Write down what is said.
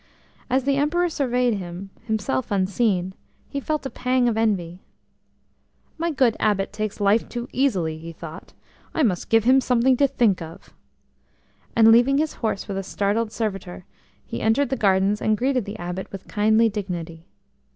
As the Emperor surveyed him, himself unseen, he felt a pang of envy. "My good Abbot takes life too easily," he thought; "I must give him something to think of." And leaving his horse with a startled servitor, he entered the gardens and greeted the Abbot with kindly dignity.